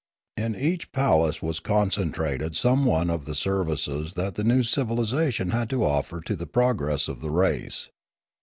In each palace was concentrated some one of the services that th£ new civilisation had to offer to the progress of the race.